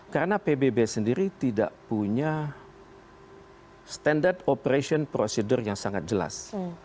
karena pbb sendiri tidak punya standard operation procedure yang sangat jelas